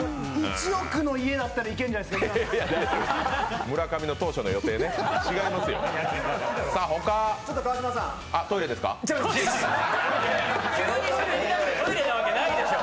１億の家だったらいけんじゃないですか。